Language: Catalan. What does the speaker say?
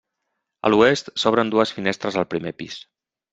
A l'oest s'obren dues finestres al primer pis.